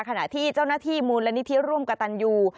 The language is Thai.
ขณะที่เจ้าหน้าที่มูลนิธิร่วมกับตันยู